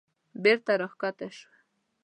بېرته راکښته شوه.